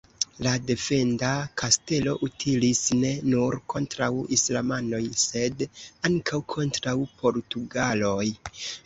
La defenda kastelo utilis ne nur kontraŭ islamanoj, sed ankaŭ kontraŭ portugaloj.